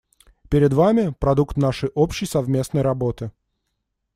Перед вами — продукт нашей общей совместной работы.